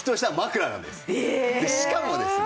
しかもですね